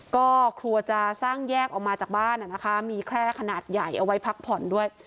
ก็ครัวจะสร้างแยกออกมาจากบ้านมีแคร่ขนาดใหญ่เอาไว้พักผ่อนด้วย